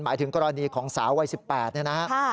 หมายถึงกรณีของสาววัย๑๘เนี่ยนะฮะ